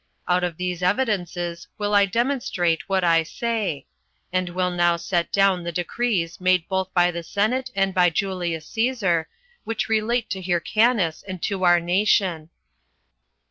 Out of these evidences will I demonstrate what I say; and will now set down the decrees made both by the senate and by Julius Cæsar, which relate to Hyrcanus and to our nation.